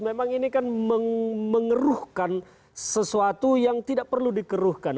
memang ini kan mengeruhkan sesuatu yang tidak perlu dikeruhkan